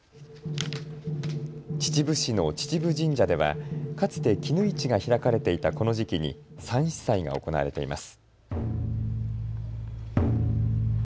秩父市の秩父神社ではかつて絹市が開かれていたこの時期に蚕糸祭が行われています。